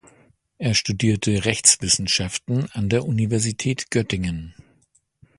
Er studierte Rechtswissenschaften an der Universität Göttingen.